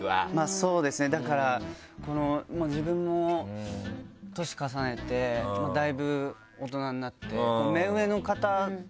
そうですねだから自分も年重ねてだいぶ大人になって。